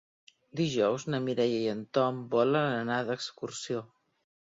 Dijous na Mireia i en Tom volen anar d'excursió.